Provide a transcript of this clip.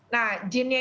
nah jinnya itu ada